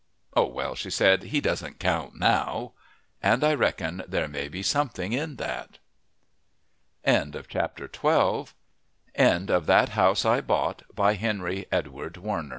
"Oh, well," she said, "he doesn't count now!" And I reckon there may be something in that. FINIS. End of Project Gutenberg's That House I Bought, by Henry Edward Warner *